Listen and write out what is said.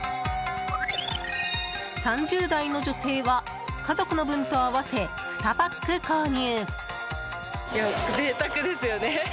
３０代の女性は家族の分と合わせ２パック購入。